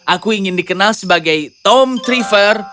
aku ingin dikenal sebagai tom trifer